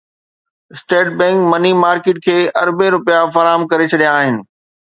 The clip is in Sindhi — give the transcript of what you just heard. اسٽيٽ بئنڪ مني مارڪيٽ کي اربين رپيا فراهم ڪري ڇڏيا آهن